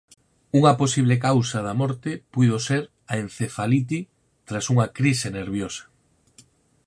Unha posible causa da morte puido ser encefalite tras unha crise nerviosa.